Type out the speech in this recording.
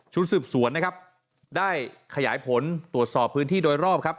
สืบสวนนะครับได้ขยายผลตรวจสอบพื้นที่โดยรอบครับ